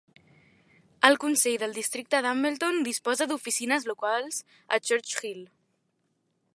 El Consell del Districte de Hambleton disposa d'oficines locals a Church Hill.